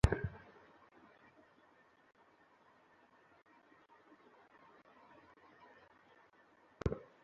বুঝতে না চিনতে পেরেছি তোমাকে।